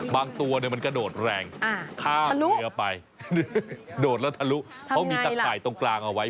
บางตัวเนี่ยมันกระโดดแรงอ่าทะลุข้ามเยอะไปโดดแล้วทะลุเขามีตะไข่ตรงกลางเอาไว้